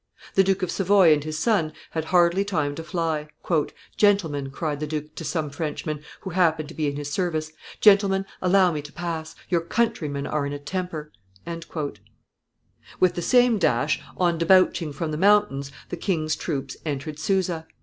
The Duke of Savoy and his son had hardly time to fly. "Gentlemen," cried the Duke to some Frenchmen, who happened to be in his service, "gentlemen, allow me to pass; your countrymen are in a temper." With the same dash, on debouching from the mountains, the king's troops entered Suza.